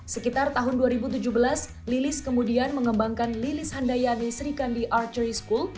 sekitar tahun dua ribu tujuh belas lilis kemudian mengembangkan lilis handayani sri kandi archery school